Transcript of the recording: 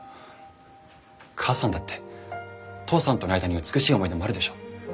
母さんだって父さんとの間に美しい思い出もあるでしょ？